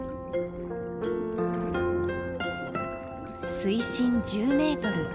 水深１０メートル。